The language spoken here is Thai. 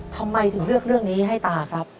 ทำไมถึงเลือกเรื่องนี้ให้ตาครับ